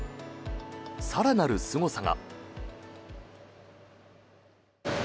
更なるすごさが。